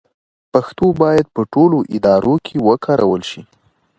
پښتو باید په ټولو ادارو کې وکارول شي.